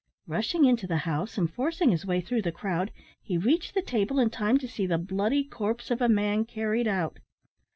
Rushing into the house, and forcing his way through the crowd, he reached the table in time to see the bloody corpse of a man carried out.